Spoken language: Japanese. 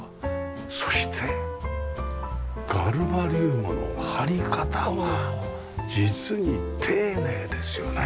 そしてガルバリウムの張り方は実に丁寧ですよね。